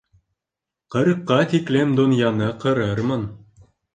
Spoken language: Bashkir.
Ҡырҡка тиклем донъяны ҡырырмын